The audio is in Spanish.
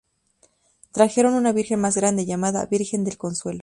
Trajeron una virgen más grande, llamada Virgen del Consuelo.